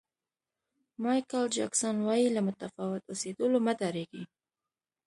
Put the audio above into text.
مایکل جکسن وایي له متفاوت اوسېدلو مه ډارېږئ.